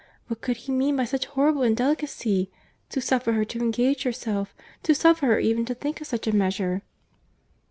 What could he mean by such horrible indelicacy? To suffer her to engage herself—to suffer her even to think of such a measure!"